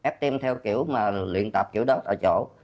ftm theo kiểu mà luyện tập kiểu đó tại chỗ